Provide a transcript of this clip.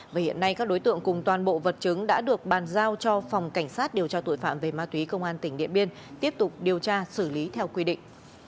và hiện nay các đối tượng cùng toàn bộ vật chứng đã được bàn giao cho phòng cảnh sát điều tra tội phạm về ma túy công an tỉnh điện biên tiếp tục điều tra xử lý theo quy định